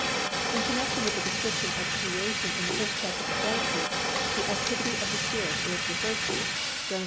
In connection with the description of creation in the first chapter of Genesis, the activity of the Spirit is referred to (Gen. i.